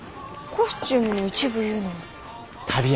コスチュームの一部いうのは？